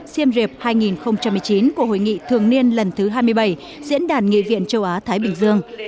siem reap hai nghìn một mươi chín của hội nghị thường niên lần thứ hai mươi bảy diễn đàn nghị viện châu á thái bình dương